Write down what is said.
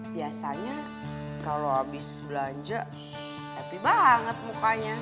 biasanya kalau habis belanja happy banget mukanya